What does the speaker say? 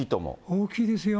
大きいですよ。